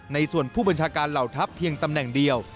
ส่วนผู้บัญชาการเหล่าทัพเพียงตำแหน่งเดียว